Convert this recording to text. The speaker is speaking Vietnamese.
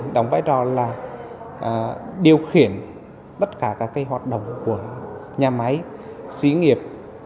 điều khiển tất cả các hoạt động của nhà máy xí nghiệp